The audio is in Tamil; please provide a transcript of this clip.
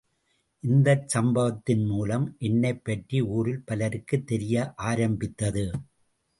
இந்தச் சம்பவத்தின்மூலம் என்னைப் பற்றி ஊரில் பலருக்குத் தெரிய ஆரம்பித்தது.